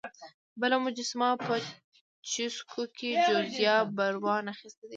بله مجسمه په چیسوک کې جوزیا براون اخیستې ده.